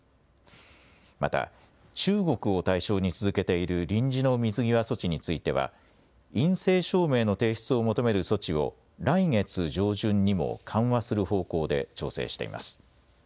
また中国を対象に続けている臨時の水際措置については陰性証明の提出を求める措置を来月上旬にも緩和する方向で調整しています。